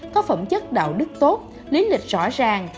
có phẩm chất đạo đức tốt lý lịch rõ ràng